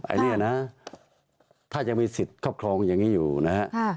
อันนี้นะถ้ายังมีสิทธิ์ครอบครองอย่างนี้อยู่นะฮะ